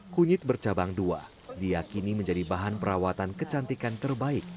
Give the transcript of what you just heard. kunyit bercabang dua diakini menjadi bahan perawatan kecantikan terbaik